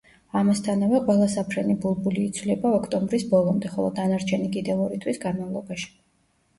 ამასთანავე, ყველა საფრენი ბულბული იცვლება ოქტომბრის ბოლომდე, ხოლო დანარჩენი კიდევ ორი თვის განმავლობაში.